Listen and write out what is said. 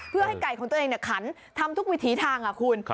เพื่อให้ไก่ของตัวเองขันทำทุกวิถีทางคุณ